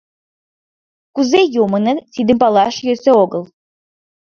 Кузе «йомыныт» — тидым палаш йӧсӧ огыл.